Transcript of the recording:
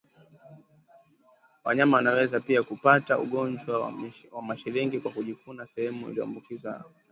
Wanyama wanaweza pia kupata ugonjwa wa mashilingi kwa kujikuna sehemu iliyoambukizwa vijidudu